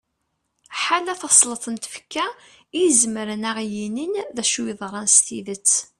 ḥala tasleḍt n tfekka i izemren ad aɣ-yinin acu yeḍran s tidet